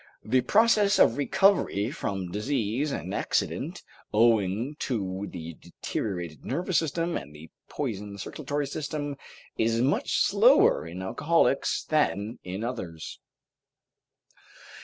The process of recovery from disease and accident, owing to the deteriorated nervous system and the poisoned circulatory system, is much slower in alcoholics than in others.